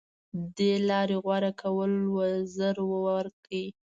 دې لارې غوره کول وزر ورکړي